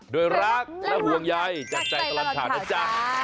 โดยรักและห่วงใยจากใจตลอดข่าวนะจ๊ะ